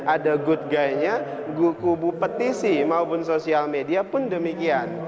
ada good guy nya kubu petisi maupun sosial media pun demikian